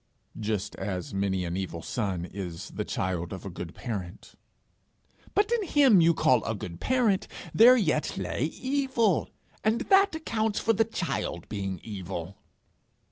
'Just as many an evil son is the child of a good parent.' 'But in him you call a good parent, there yet lay evil, and that accounts for the child being evil.'